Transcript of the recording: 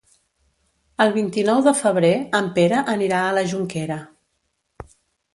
El vint-i-nou de febrer en Pere anirà a la Jonquera.